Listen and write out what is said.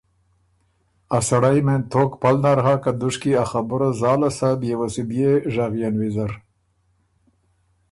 ا سړئ مېن توک پل نر هۀ که دُشکی ا خبُره زاله سۀ بيې وه سُو بيې ژغيېن ویزر۔